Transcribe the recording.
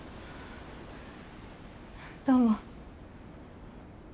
どうも。